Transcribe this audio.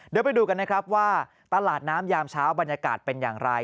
เดี๋ยวไปดูกันนะครับว่าตลาดน้ำยามเช้าบรรยากาศเป็นอย่างไร